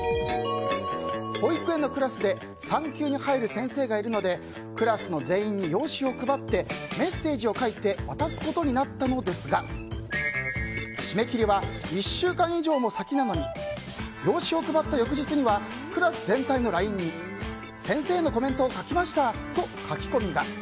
保育園のクラスで産休に入る先生がいるのでクラスの全員に用紙を配ってメッセージを書いて渡すことになったのですが締め切りは１週間以上も先なのに用紙を配った翌日にはクラス全体のＬＩＮＥに先生のコメント書きましたと書き込みが。